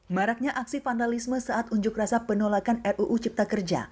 maraknya aksi vandalisme saat unjuk rasa penolakan ruu cipta kerja